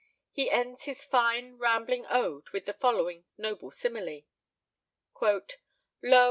He ends his fine, rambling ode with the following noble simile: "Lo!